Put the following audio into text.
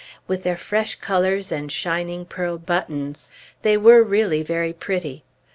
With their fresh colors and shining pearl buttons, they were really very pretty.